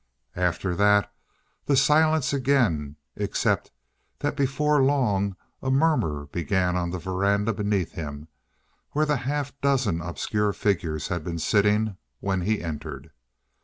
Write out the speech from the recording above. After that the silence again, except that before long a murmur began on the veranda beneath him where the half dozen obscure figures had been sitting when he entered.